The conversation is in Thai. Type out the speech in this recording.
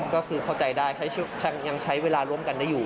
ก็คือเข้าใจได้ยังใช้เวลาร่วมกันได้อยู่